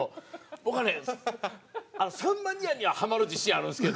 僕はねさんま兄やんにはハマる自信あるんですけど。